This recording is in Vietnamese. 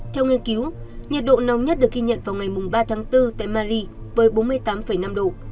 theo nghiên cứu nhiệt độ nóng nhất được ghi nhận vào ngày ba tháng bốn tại mali với bốn mươi tám năm độ